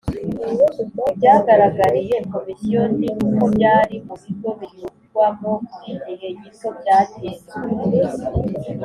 Ibyagaragariye Komisiyo ni uko by abari mu Bigo binyurwamo by igihe gito byagenzuwe